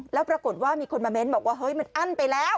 แล้วปรากฏว่ามีคนมาเน้นบอกว่าเฮ้ยมันอั้นไปแล้ว